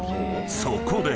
そこで］